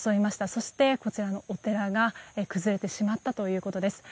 そして、こちらのお寺が崩れてしまったということです。